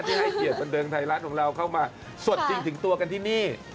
ให้เกียรติบันเทิงไทยรัฐของเราเข้ามาสดจริงถึงตัวกันที่นี่